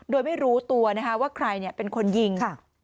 โดยไม่รู้ตัวนะคะว่าใครเป็นคนยิง